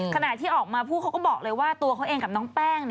ขณะที่ออกมาพูดเขาก็บอกเลยว่าตัวเขาเองกับน้องแป้ง